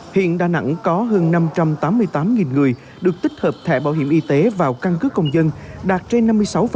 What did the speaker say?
hiện đà nẵng có hơn năm trăm tám mươi tám người được tích hợp thẻ bảo hiểm y tế vào căn cứ công dân đạt trên năm mươi sáu